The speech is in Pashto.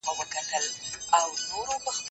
زه کتابتون ته نه راځم،